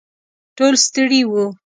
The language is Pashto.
ټول ستړي وو.